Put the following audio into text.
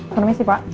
konomi sih pak